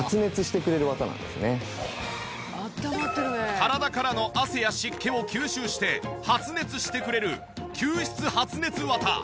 体からの汗や湿気を吸収して発熱してくれる吸湿発熱綿。